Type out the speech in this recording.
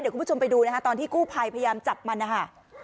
คุณผู้ชมไปดูนะฮะตอนที่กู้ภัยพยายามจับมันนะคะ